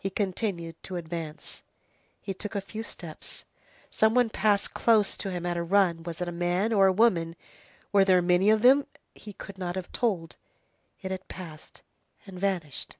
He continued to advance. He took a few steps. Some one passed close to him at a run. Was it a man? Or a woman? Were there many of them? he could not have told. It had passed and vanished.